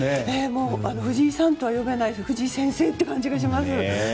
藤井さんとは呼べない藤井先生って感じがします。